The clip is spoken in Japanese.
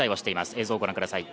映像をご覧ください。